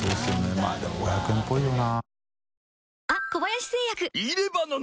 まぁでも５００円っぽいよな。